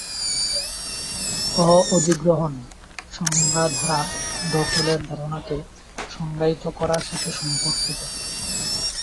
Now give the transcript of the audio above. অ-অধিগ্রহণ, সংজ্ঞা দ্বারা, দখলের ধারণাকে সংজ্ঞায়িত করার সাথে সম্পর্কিত।